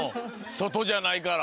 外じゃないから。